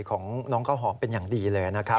ของน้องข้าวหอมเป็นอย่างดีเลยนะครับ